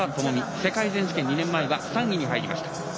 世界選手権２年前は３位に入りました。